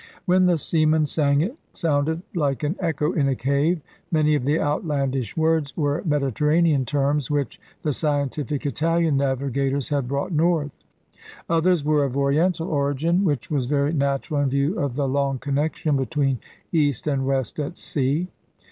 When the seamen sang it sounded like *an echo in a cave.' Many of the outlandish words were Mediterra nean terms which the scientific Italian navigators had brought north. Others were of Oriental origin, which was very natural in view of the long connection between East and West at sea.